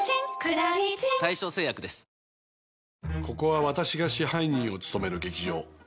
ここは私が支配人を務める劇場。